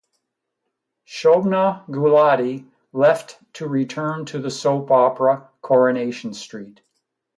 Shobna Gulati left to return to the soap opera "Coronation Street".